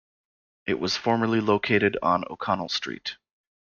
It was formerly located on O'Connell Street.